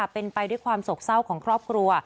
เป็นไปด้วยความโศกเศร้าของครอบครัว